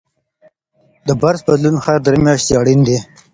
د برس بدلون هر درې میاشتې اړین دی.